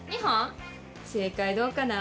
正解どうかな？